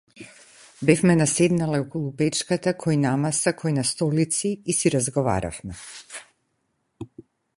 Бевме наседнале околу печката кој на маса кој на столици и си разговаравме.